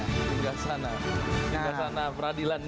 singgah sana singgah sana peradilan